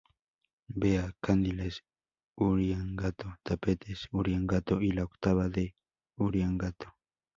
Vea: Candiles Uriangato, Tapetes Uriangato y La Octava en Uriangato.